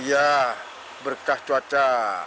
iya berkah cuaca